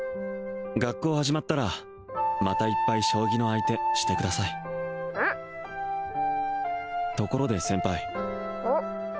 学校始まったらまたいっぱい将棋の相手してくださいうんところで先輩うん？